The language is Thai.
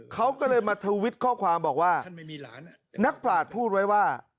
เขาก็เลยมาทวิตข้อความบอกว่านักปราศพูดไว้ว่า